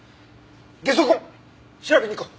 ゲソ痕調べにいこう。